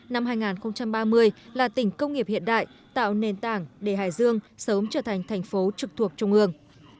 năm hai nghìn ba mươi là tỉnh công nghiệp hiện đại tạo nền tảng để hải dương sớm trở thành thành phố trực thuộc trung ương